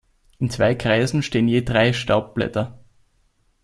In zwei Kreisen stehen je drei Staubblätter.